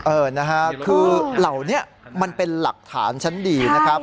เออนะฮะคือเหล่านี้มันเป็นหลักฐานชั้นดีนะครับ